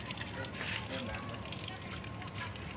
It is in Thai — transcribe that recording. สุดท้ายสุดท้ายสุดท้าย